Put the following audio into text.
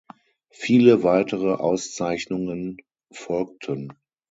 Viele weitere Auszeichnungen folgten.